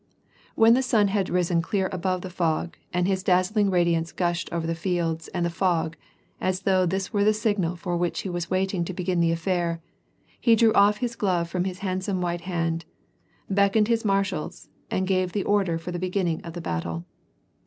When the sun had risen clear above the fog, and his dazzling radiance gushed over the fields and the fog, as though this were the signal for which he was waiting to begin the affair, he drew off his glove from his handsome white hand, beckoned bis marshals, and gave the order for beginning the battle.